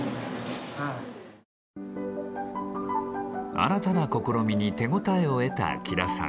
新たな試みに手応えを得た喜田さん。